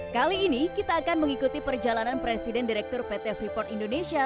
kali ini kita akan mengikuti perjalanan presiden direktur pt freeport indonesia